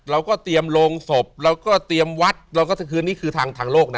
เราก็เตรียมโรงศพเราก็เตรียมวัดเราก็คือนี่คือทางทางโลกนะ